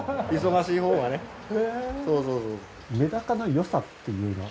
メダカのよさっていうのは？